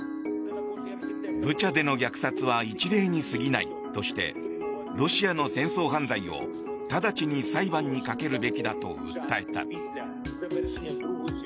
ブチャでの虐殺は一例に過ぎないとしてロシアの戦争犯罪を直ちに裁判にかけるべきだと訴えた。